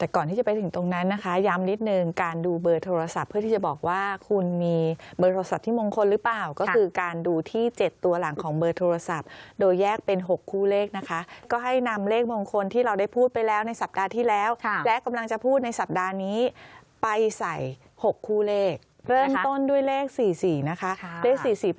แต่ก่อนที่จะไปถึงตรงนั้นนะคะย้ำนิดนึงการดูเบอร์โทรศัพท์เพื่อที่จะบอกว่าคุณมีเบอร์โทรศัพท์ที่มงคลหรือเปล่าก็คือการดูที่๗ตัวหลังของเบอร์โทรศัพท์โดยแยกเป็น๖คู่เลขนะคะก็ให้นำเลขมงคลที่เราได้พูดไปแล้วในสัปดาห์ที่แล้วและกำลังจะพูดในสัปดาห์นี้ไปใส่๖คู่เลขเริ่มต้นด้วยเลข๔๔นะคะเลข๔๔๘